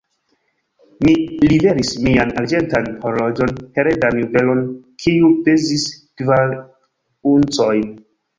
Mi liveris mian arĝentan horloĝon, heredan juvelon, kiu pezis kvar uncojn.